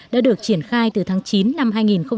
đã được triển khai từ tháng chín năm hai nghìn một mươi bảy